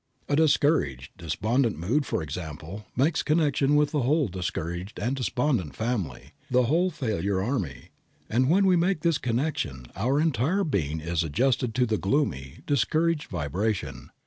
A discouraged, despondent mood, for example, makes connection with the whole discouraged and despondent family, the whole failure army, and when we make this connection our entire being is adjusted to the gloomy, discouraged vibration.